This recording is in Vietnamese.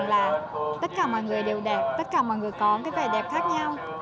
là tất cả mọi người đều đẹp tất cả mọi người có cái vẻ đẹp khác nhau